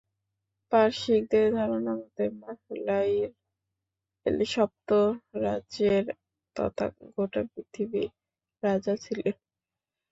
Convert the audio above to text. পারসিকদের ধারণা মতে, মাহলাঈল সপ্তরাজ্যের তথা গোটা পৃথিবীর রাজা ছিলেন।